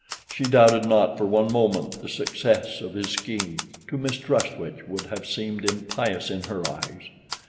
She doubted not for one moment of the success of his scheme, to mistrust which would have seemed impious in her eyes.